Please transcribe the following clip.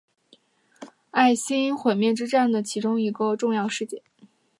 艾辛格毁灭之战的其中一个重要事件。